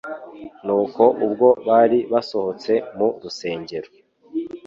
Nuko ubwo bari basohotse mu rusengero